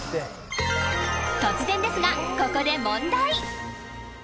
［突然ですがここで問題］